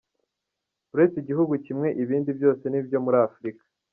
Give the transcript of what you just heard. Uretse igihugu kimwe ibindi byose ni ibyo muri Afurika.